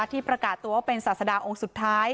ที่ประกาศตัวว่าเป็นศาสดาองค์สุดท้าย